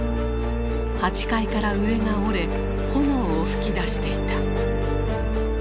８階から上が折れ炎を噴き出していた。